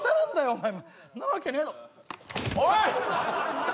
お前なわけねえだろおい！